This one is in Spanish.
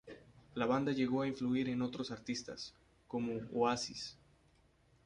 La banda llegó a influir en otros artistas, como Oasis.